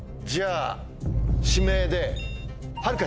じゃあ「指名」で。